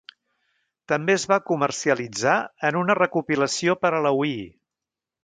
També es va comercialitzar en una recopilació per a la Wii.